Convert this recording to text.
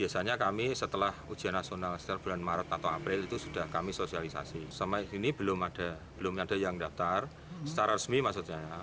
sampai sini belum ada yang daftar secara resmi maksudnya